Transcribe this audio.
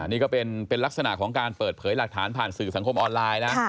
นี่ก็เป็นลักษณะของการเปิดเผยหลักฐานผ่านสื่อสังคมออนไลน์นะ